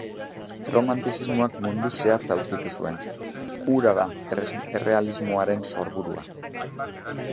Erromantizismoak mundu zehatza aurkitu zuen: hura da errealismoaren sorburua.